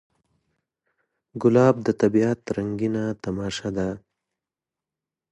ګلاب د طبیعت رنګین تماشه ده.